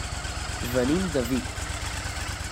Venim de Vic.